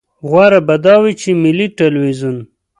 غوره به دا وي چې ملي ټلویزیون.